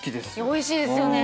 おいしいですよね。